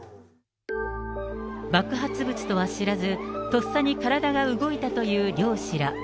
爆発物とは知らず、とっさに体が動いたという漁師ら。